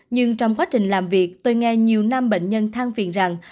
nhưng trong quá trình làm việc tôi nghe nhiều nam bệnh nhân than phiền rằng